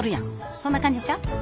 そんな感じちゃう？